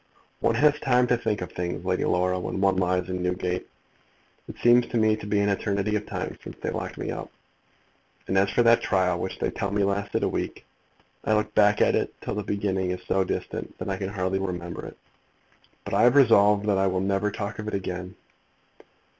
"One has time to think of things, Lady Laura, when one lies in Newgate. It seems to me to be an eternity of time since they locked me up. And as for that trial, which they tell me lasted a week, I look back at it till the beginning is so distant that I can hardly remember it. But I have resolved that I will never talk of it again.